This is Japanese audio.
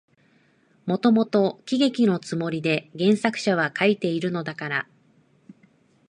もともと喜劇のつもりで原作者は書いているのだから、